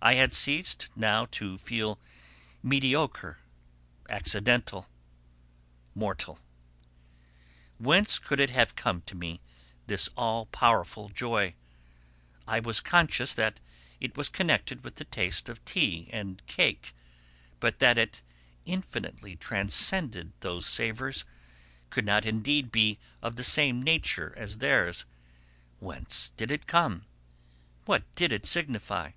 I had ceased now to feel mediocre, accidental, mortal. Whence could it have come to me, this all powerful joy? I was conscious that it was connected with the taste of tea and cake, but that it infinitely transcended those savours, could not, indeed, be of the same nature as theirs. Whence did it come? What did it signify?